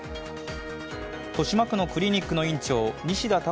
豊島区のクリニックの院長西田隆